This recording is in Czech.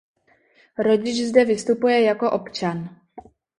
Rodič zde vystupuje jako občan.